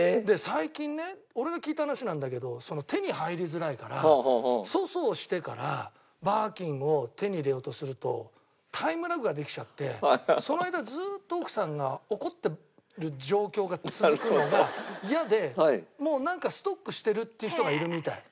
最近ね俺が聞いた話なんだけど手に入りづらいから粗相をしてからバーキンを手に入れようとするとタイムラグができちゃってその間ずっと奥さんが怒ってる状況が続くのが嫌でもうなんかストックしてるっていう人がいるみたい。